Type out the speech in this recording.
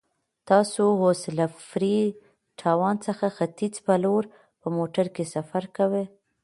تاسو اوس له فري ټاون څخه ختیځ په لور په موټر کې سفر کوئ.